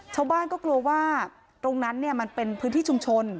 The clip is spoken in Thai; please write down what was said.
ชาวบ้านก็กลัวว่าตรงนั้นมันเป็นพื้นที่ชุมชน